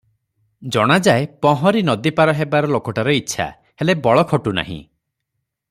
ଜଣାଯାଏ ପହଁରି ନଦୀପାର ହେବାର ଲୋକଟାର ଇଚ୍ଛା, ହେଲେ ବଳ ଖଟୁ ନାହିଁ ।